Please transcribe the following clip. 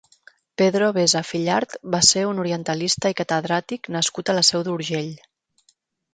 Pedro Vesa Fillart va ser un orientalista i catedràtic nascut a la Seu d'Urgell.